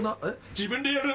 自分でやる？